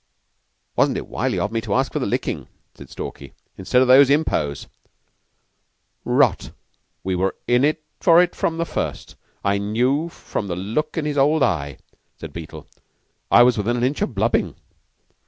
"Wasn't it wily of me to ask for the lickin'," said Stalky, "instead of those impots?" "Rot! We were in for it from the first. I knew the look of his old eye," said Beetle. "I was within an inch of blubbing."